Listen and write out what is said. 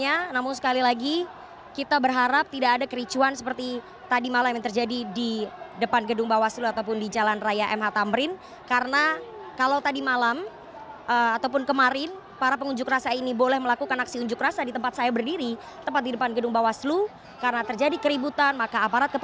yang anda dengar saat ini sepertinya adalah ajakan untuk berjuang bersama kita untuk keadilan dan kebenaran saudara saudara